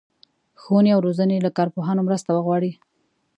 ښوونې او روزنې له کارپوهانو مرسته وغواړي.